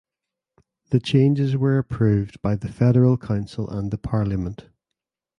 The changes were approved by the Federal Council and the parliament.